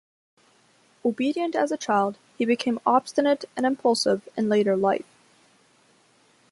Obedient as a child, he became obstinate and impulsive in later life.